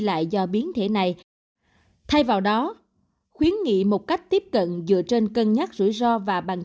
lại do biến thể này thay vào đó khuyến nghị một cách tiếp cận dựa trên cân nhắc rủi ro và bằng